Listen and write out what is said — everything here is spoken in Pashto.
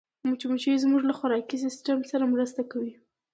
مچمچۍ زموږ له خوراکي سیسټم سره مرسته کوي